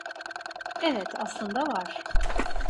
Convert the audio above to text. Evet, aslında var.